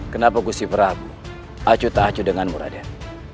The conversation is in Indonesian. kenapa gusti prabu acu ta'acu denganmu radit